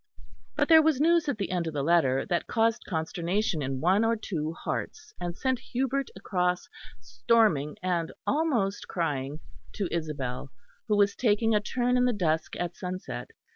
But there was news at the end of the letter that caused consternation in one or two hearts, and sent Hubert across, storming and almost crying, to Isabel, who was taking a turn in the dusk at sunset.